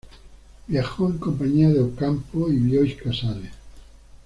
Viajó en compañía de Ocampo y Bioy Casares.